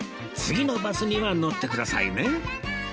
次のバスには乗ってくださいね